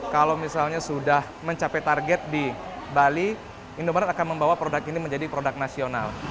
kalau misalnya sudah mencapai target di bali indomaret akan membawa produk ini menjadi produk nasional